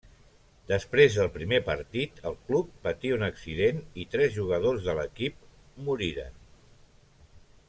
Després del primer partit el club patí un accident i tres jugadors de l'equip moriren.